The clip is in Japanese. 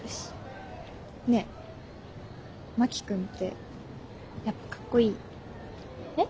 ねえ真木君ってやっぱかっこいい？え。